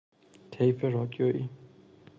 طیف رادیویی